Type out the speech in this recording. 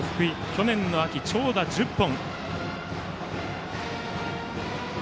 去年の秋、長打１０本。